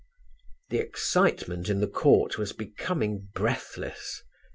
The excitement in the court was becoming breathless.